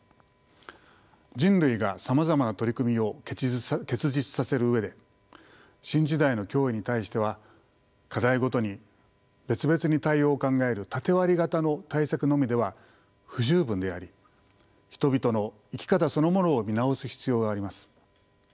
人類がさまざまな取り組みを結実させる上で新時代の脅威に対しては課題ごとに別々に対応を考える縦割り型の対策のみでは不十分であり人々の生き方そのものを見直す必要があります。